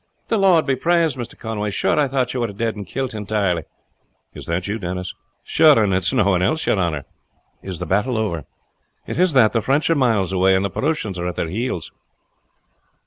"The Lord be praised, Mr. Conway. Sure, I thought you were dead and kilt entirely." "Is that you, Denis?" "Sure and it's no one else, your honor." "Is the battle over?" "It is that. The French are miles away, and the Proosians at their heels."